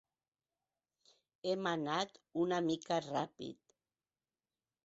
Hem anat una mica ràpid.